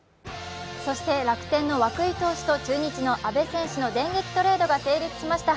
楽天の涌井投手と中日の阿部選手の電撃トレードが成立しました。